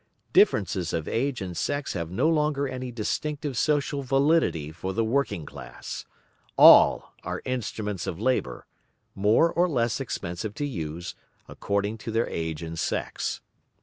Differences of age and sex have no longer any distinctive social validity for the working class. All are instruments of labour, more or less expensive to use, according to their age and sex.